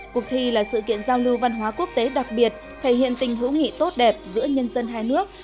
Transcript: cuộc thi là sự kiện giao lưu văn hóa quốc tế đặc biệt thể hiện tình hữu nghị tốt đẹp giữa nhân dân hai nước